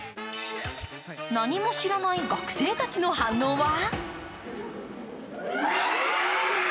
何も知らない学生たちの反応は？